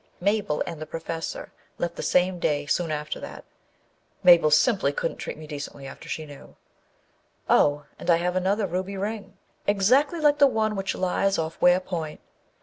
Mabel and the Professor left the same day soon after that. Mabel simply couldn't treat me decently after she knew Oh, and I have another ruby ring, exactly like the one which lies off Weir Point.